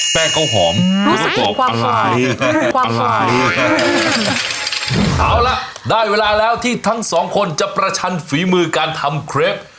แป้งก้าวหอมรู้สึกความหลายความหลายเออเอาล่ะได้เวลาแล้วที่ทั้งสองคนจะประชันฝีมือการทำเคร็บ